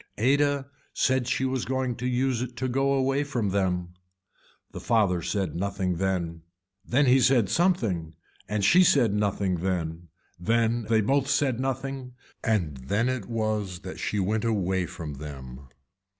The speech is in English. Ada said she was going to use it to go away from them. The father said nothing then, then he said something and she said nothing then, then they both said nothing and then it was that she went away from them.